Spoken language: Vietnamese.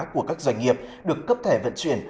của các doanh nghiệp được cấp thẻ vận chuyển